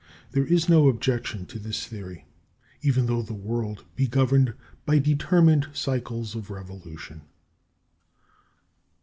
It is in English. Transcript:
There is no objection to this theory, even though the world be governed by determined cycles of revolution.